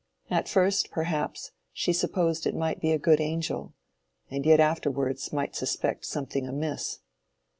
At first, perhaps, she supposed it might be a good angel, and yet afterwards might suspect something amiss.